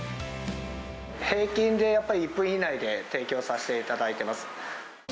平均でやっぱり１分以内で提供させていただいてます。